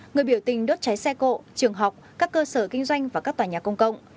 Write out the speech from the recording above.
người biểu tình đốt cháy xe cộ trường học các cơ sở kinh doanh và các tòa nhà công cộng